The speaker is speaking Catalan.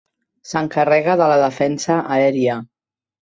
S'encarrega de la defensa aèria.